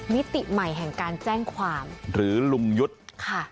มิติใหม่แห่งการแจ้งความหรือลุงยุทธ์ค่ะ